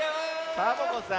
サボ子さん。